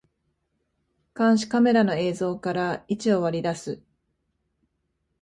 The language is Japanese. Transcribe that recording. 監視カメラの映像から位置を割り出す